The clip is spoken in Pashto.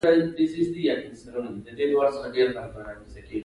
د تواب بکس دروند شو، جُوجُو وويل: